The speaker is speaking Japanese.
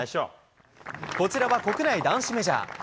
こちらは国内男子メジャー。